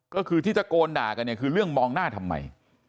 ก็คือที่ตะโกนด่ากันเนี่ยคือเรื่องมองหน้าทำไม